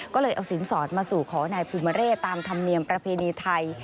ก็เลยเอาสินสอดมาสู่ขอนายภูมิเร่ตามธรรมเนียมประเพณีไทย